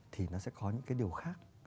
thì nó sẽ có những cái điều khác